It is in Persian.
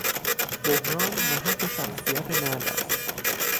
بحران محک شخصیت مرد است.